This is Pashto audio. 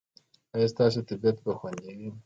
ایا ستاسو طبیعت به خوندي وي؟